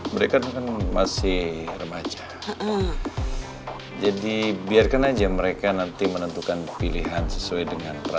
mereka kan masih remaja jadi biarkan aja mereka nanti menentukan pilihan sesuai dengan